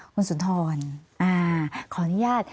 คุณสุนทรขออนุญาต